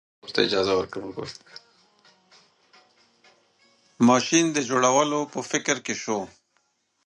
ماشین د جوړولو په فکر کې شو.